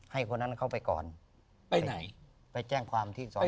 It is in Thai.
คนนั้นเข้าไปก่อนไปไหนไปแจ้งความที่สอนอ